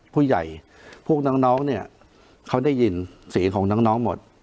ผู้ใหญ่พวกน้องเนี่ยเขาได้ยินเสียงของน้องหมด